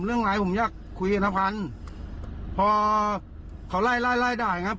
เรื่องไรผมอยากคุยกับนภัณฑ์พอเขาไล่ไล่ไล่ด่ายอย่างนั้น